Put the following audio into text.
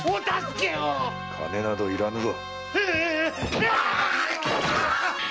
金など要らぬわ。